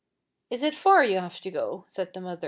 "Is it far you have to go?" said the mother.